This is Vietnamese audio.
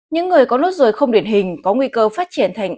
những người có nốt ruồi không điển hình có nguy cơ phát triển thành